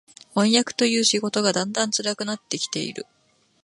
飜訳という仕事がだんだん辛くなって来ている